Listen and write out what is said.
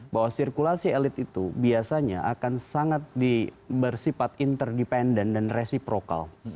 bahwa sirkulasi elit itu biasanya akan sangat di bersifat interdependent dan reciprocal